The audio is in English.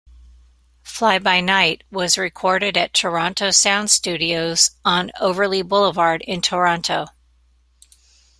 "Fly by Night" was recorded at Toronto Sound Studios on Overlea Boulevard in Toronto.